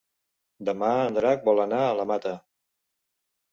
Demà en Drac vol anar a la Mata.